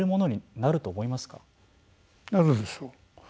なるでしょう。